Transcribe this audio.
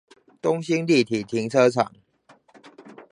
東興立體停車場